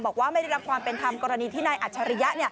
บอกว่ามันไม่ได้กระดับทกรณีที่ในอัจฉริยะ